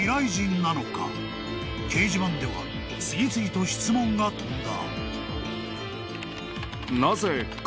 ［掲示板では次々と質問が飛んだ］